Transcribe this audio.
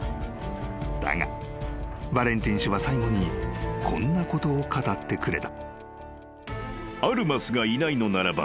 ［だがヴァレンティン氏は最後にこんなことを語ってくれた］